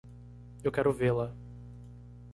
Eu quero vê-la.